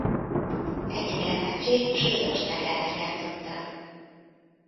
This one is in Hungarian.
Egyetlen meccsét Svédország ellen játszotta.